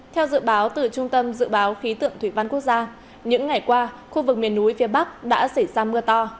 theo dự báo từ trung tâm dự báo khí tượng thủy văn quốc gia những ngày qua khu vực miền núi phía bắc đã xảy ra mưa to